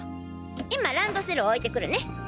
今ランドセル置いてくるね。